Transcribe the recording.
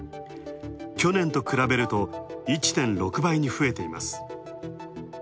去年と比べると、１．６倍に増えています。